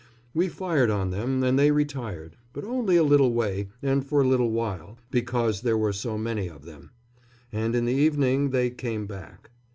We fired on them, and they retired; but only a little way and for a little while, because there were so many of them. And in the evening they came back.